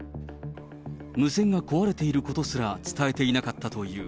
無線が壊れていることすら伝えていなかったという。